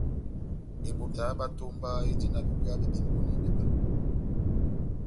Ebota ya bá etomba éndi na bebwéya bé bemboni béba.